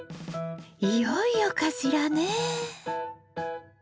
いよいよかしらね？